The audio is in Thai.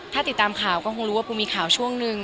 ถ้าติดตามข่าวก็คงรู้ว่าปูมีข่าวช่วงนึง